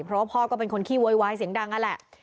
เพราะว่าพ่อก็เป็นคนขี้โวยวายเสียงดังนั่นแหละ